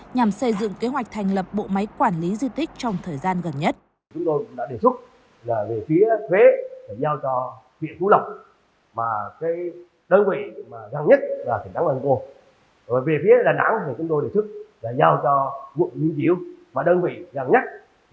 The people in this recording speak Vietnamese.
nhằm xây dựng kế hoạch thành lập bộ máy quản lý di tích trong thời gian gần nhất